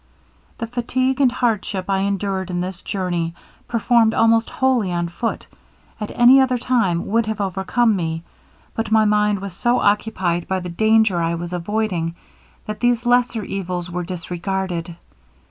The fatigue and hardship I endured in this journey, performed almost wholly on foot, at any other time would have overcome me; but my mind was so occupied by the danger I was avoiding that these lesser evils were disregarded.